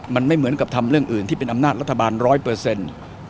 มันไม่เหมือนกับทำเรื่องอื่นที่เป็นอำนาจรัฐบาลร้อยเปอร์เซ็นต์